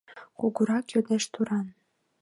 Кугурак йодеш туран: